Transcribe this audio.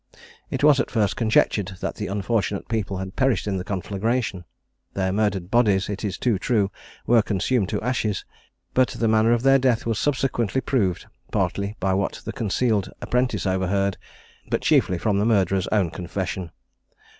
It was at first conjectured that the unfortunate people had perished in the conflagration. Their murdered bodies, it is too true, were consumed to ashes; but the manner of their death was subsequently proved, partly by what the concealed apprentice overheard, but chiefly from the murderer's own confession.